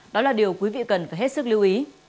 đó là điều quý vị cần phải hết sức lưu ý